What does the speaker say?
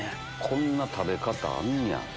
こんな食べ方あるんや。